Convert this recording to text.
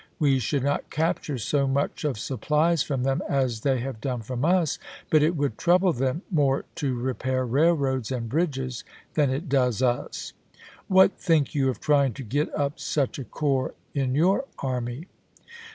We should not capture so much of supplies from them as they have done from us, but it would trouble them more to repair railroads and bridges than it Eo^ecmns, ^oes US. What think you of trying to get up such 1863?' MS. a corps in your army?"